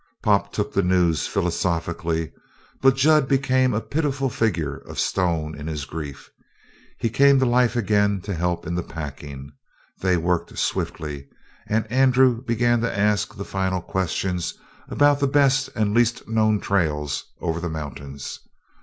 Pop took the news philosophically, but Jud became a pitiful figure of stone in his grief. He came to life again to help in the packing. They worked swiftly, and Andrew began to ask the final questions about the best and least known trails over the mountains.